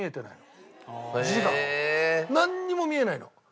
なんにも見えないの！